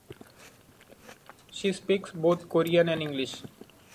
She speaks both Korean and English.